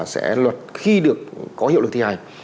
sẽ luật khi được có hiệu lực thi hành